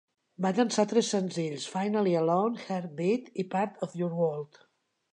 Va llançar tres senzills: "Finally Alone", "Heartbeat" i Part of Your World.